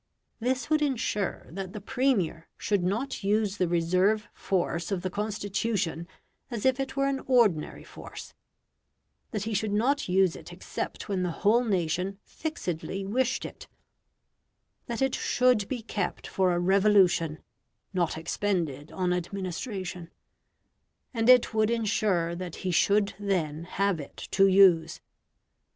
This would ensure that the Premier should not use the reserve force of the constitution as if it were an ordinary force; that he should not use it except when the whole nation fixedly wished it; that it should be kept for a revolution, not expended on administration; and it would ensure that he should then have it to use.